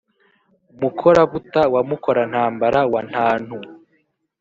mukora-buta wa mukora-ntambara wa ntantu,